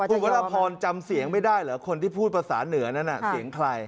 คุณวรพรจำเสียงไม่ได้เหรอคนที่พูดภาษาเหนือนั้นเสียงใคร